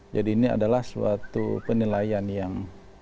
jadi ini adalah suatu penilaian yang